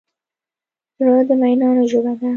زړه د مینانو ژبه ده.